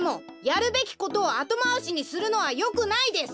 やるべきことをあとまわしにするのはよくないです！